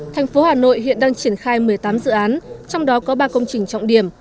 thành phố hà nội hiện đang triển khai một mươi tám dự án trong đó có ba công trình trọng điểm